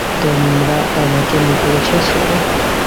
তোমরা আমাকে নিতে এসেছো।